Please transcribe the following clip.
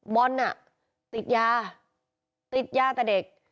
บอนด์อย่างน่ะติดยาติดยาก็เด็ก